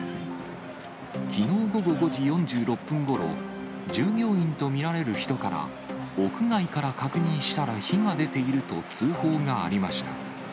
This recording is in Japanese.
きのう午後５時４６分ごろ、従業員と見られる人から、屋外から確認したら火が出ていると通報がありました。